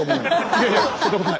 いやいやそんなことない。